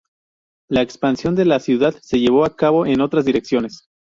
La expansión de la ciudad se llevó a cabo en otras direcciones.